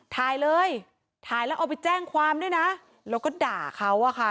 ถ่ายเลยถ่ายแล้วเอาไปแจ้งความด้วยนะแล้วก็ด่าเขาอะค่ะ